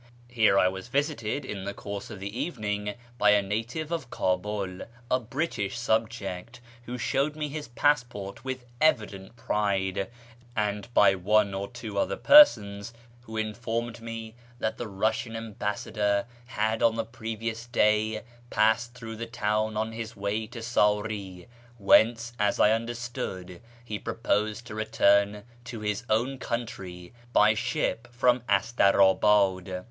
Here I was visited in the course of the evening by a native of Kabul, a British subject, who showed me his passport with evident pride, and by one or two other persons, who informed me that the Eussian ambassador had on the previous day passed through the town on his way to Sari, whence, as I understood, he proposed to return to his own country by ship from Astar abad.